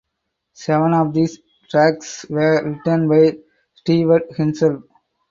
Seven of these tracks were written by Stewart himself.